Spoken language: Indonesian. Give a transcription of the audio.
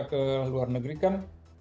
ke luar negeri kan